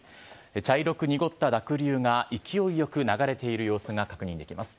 茶色く濁った濁流が勢いよく流れている様子が確認できます。